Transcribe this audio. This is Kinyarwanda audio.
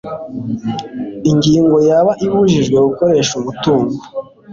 Ingingo ya Ibibujijwe gukoresha umutungo